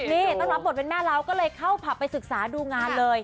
นี่ต้องรับบทเป็นแม่เราก็เลยเข้าผับไปศึกษาดูงานเลย